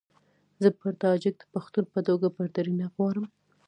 زه پر تاجک د پښتون په توګه برتري نه غواړم.